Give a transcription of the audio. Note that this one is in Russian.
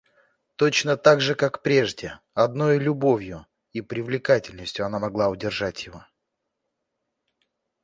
Точно так же как прежде, одною любовью и привлекательностью она могла удержать его.